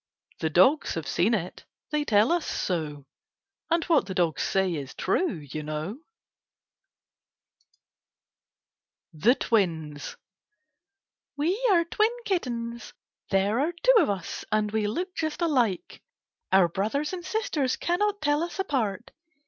The dogs have seen it. They tell us so. And what the dogs say is true, you know. 66 KITTENS AWD CATS THE TWINS We are twin kittens. There are two of us, and we look just alike. Our brothers and sisters cannot tell us apart.